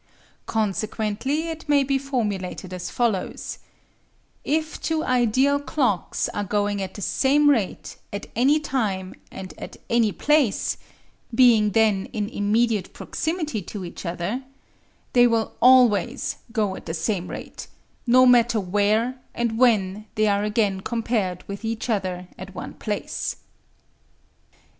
Consequently it may be formulated as follows: If two ideal clocks are going at the same rate at any time and at any place (being then in immediate proximity to each other), they will always go at the same rate, no matter where and when they are again compared with each other at one place.